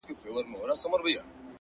هره ورځ د نوې ودې فرصت راوړي!